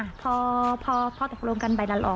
อ่ะพอพอพอตกลงกันใบละ๑๐๐